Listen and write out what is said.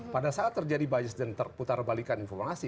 pada saat terjadi bias dan terputarbalikan informasi